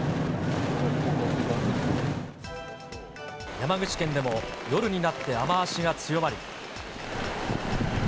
山口県でも夜になって雨足が強まり。